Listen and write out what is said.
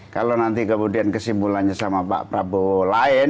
kalau nanti kemudian kesimpulannya sama pak prabowo lain